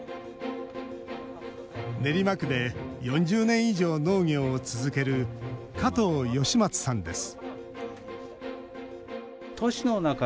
練馬区で４０年以上農業を続ける加藤義松さんです。